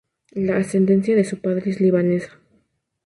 La ascendencia de su padre es libanesa.